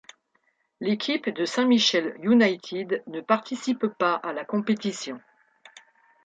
L’équipe de Saint-Michel United ne participe pas à la compétition.